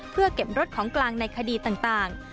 เพื่อเก็บรถของกลางในคดีต่าง